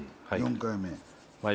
４回目や。